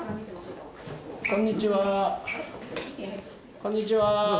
こんにちは。